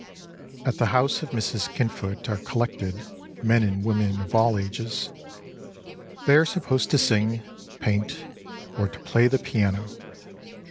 AT the house of Mrs. Kinfoot Are collected Men and women Of all ages. They are supposed To sing, paint, or to play the piano.